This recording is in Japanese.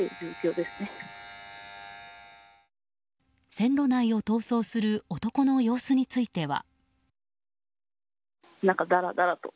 線路内を逃走する男の様子については。